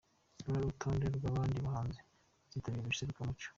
Dore urutonde rw’abandi bahanzi bazitabira iri serukiramuco:.